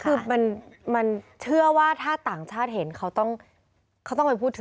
คือมันเชื่อว่าถ้าต่างชาติเห็นเขาต้องไปพูดถึง